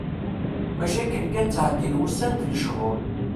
Maca akken kan ttɛeddin wussan d lechur.